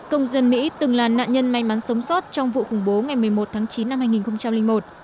công dân mỹ từng là nạn nhân may mắn sống sót trong vụ khủng bố ngày một mươi một tháng chín năm hai nghìn một